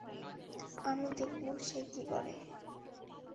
আমি দেখব সে কী বলে?